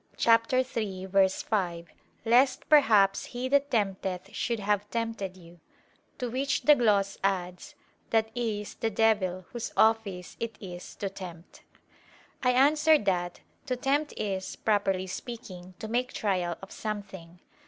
3:5): "Lest perhaps he that tempteth should have tempted you": to which the gloss adds, "that is, the devil, whose office it is to tempt." I answer that, To tempt is, properly speaking, to make trial of something.